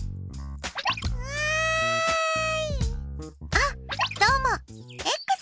あっどうもです。